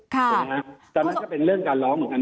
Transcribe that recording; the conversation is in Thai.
ก็เป็นเรื่องการร้องเหมือนกัน